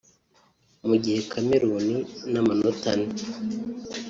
mu gihe Cameroon n’amanota ane